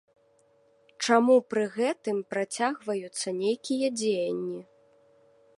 Чаму пры гэтым працягваюцца нейкія дзеянні?